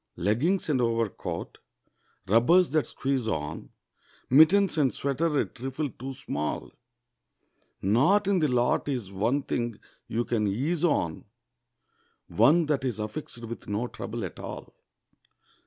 Leggings and overcoat, rubbers that squeeze on, Mittens and sweater a trifle too small; Not in the lot is one thing you can ease on, One that's affixed with no trouble at all.